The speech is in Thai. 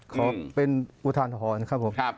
ขอเป็นอุทาหรณ์ครับผม